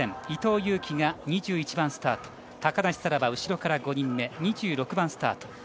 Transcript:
伊藤有希が２１番スタート高梨沙羅は後ろから５番目２６番スタート。